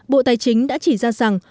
bộ tài chính đã chỉ ra rằng